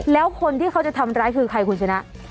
แล้วคนที่เขาจะทำร้ายคือใครคุณชนะ